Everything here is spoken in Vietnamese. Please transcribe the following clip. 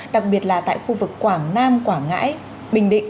đặc biệt là tại khu vực quảng nam quảng ngãi bình định